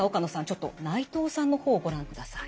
ちょっと内藤さんの方をご覧ください。